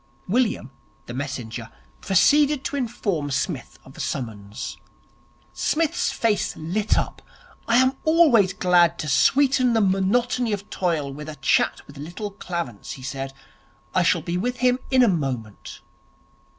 William, the messenger, proceeded to inform Psmith of the summons. Psmith's face lit up. 'I am always glad to sweeten the monotony of toil with a chat with Little Clarence,' he said. 'I shall be with him in a moment.'